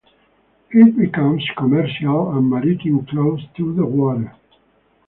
It becomes commercial and maritime close to the water.